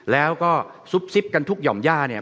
แล้วก็ซุบซิบกันทุกหย่อมย่าเนี่ย